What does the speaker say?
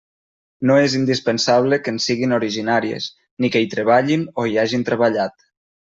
No és indispensable que en siguin originàries, ni que hi treballin o hi hagin treballat.